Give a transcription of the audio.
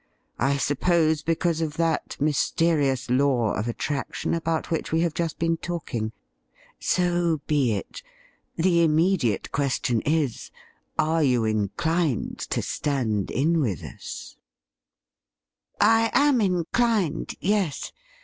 I suppose because of that mysterious law of attraction about which we have just been talking. So be it. The immediate question is, are you inclined to stand in with us i"' 170 THE RroDLE RING 'I am inclined — yes.